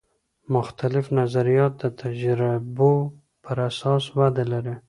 مختلف نظریات د تجربو پراساس وده لري.